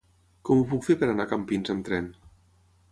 Com ho puc fer per anar a Campins amb tren?